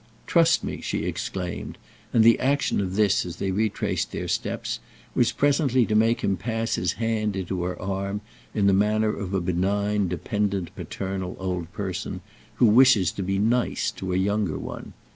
"Trust me!" she exclaimed, and the action of this, as they retraced their steps, was presently to make him pass his hand into her arm in the manner of a benign dependent paternal old person who wishes to be "nice" to a younger one.